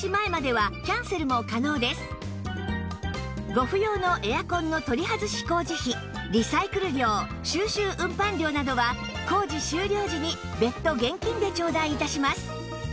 ご不要のエアコンの取り外し工事費リサイクル料収集運搬料などは工事終了時に別途現金でちょうだい致します